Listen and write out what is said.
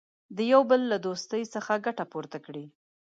د یوه بل له دوستۍ څخه ګټه پورته کړي.